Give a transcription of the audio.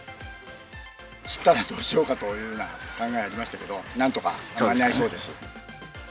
散ったらどうしようかという考えがありましたけれども、なんとか間に合いそうです。